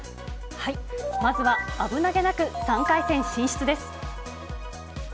まずは、危なげなく３回戦進出です。